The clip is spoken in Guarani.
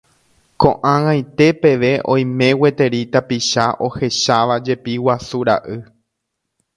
Ko'ag̃aite peve oime gueteri tapicha ohechávajepi guasu ra'y.